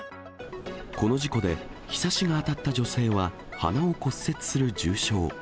この事故で、ひさしが当たった女性は鼻を骨折する重傷。